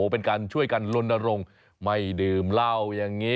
เป็นการช่วยกันลนรงค์ไม่ดื่มเหล้าอย่างนี้